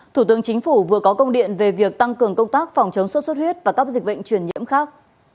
thủ tướng chính phủ vừa có công điện về việc tăng cường công tác phòng chống sốt xuất huyết và các dịch bệnh truyền nhiễm khác